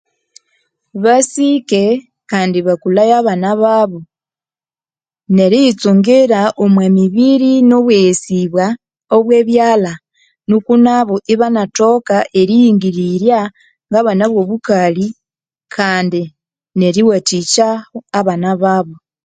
Basika Kandi bakulhaye Abana babo ,neritsungira omwamibiri nobweghesibwa obwebyalha niku nabo ibanathoka eriyingirirya ngabana obobukali Kandi neriwathikya Abana babo